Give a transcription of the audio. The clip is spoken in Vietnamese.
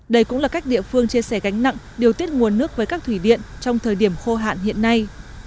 đây cũng là cách địa phương chia sẻ gánh nặng điều tiết nguồn nước với các thủy điện trong thời điểm khô hạn hiện nay